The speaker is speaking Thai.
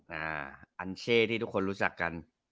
อันเช่ที่ทุกคนรู้จักกัน